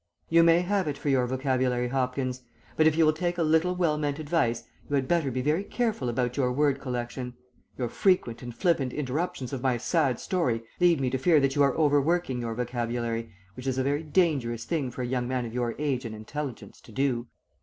"You may have it for your vocabulary, Hopkins, but if you will take a little well meant advice you had better be very careful about your word collection. Your frequent and flippant interruptions of my sad story lead me to fear that you are overworking your vocabulary, which is a very dangerous thing for a young man of your age and intelligence to do.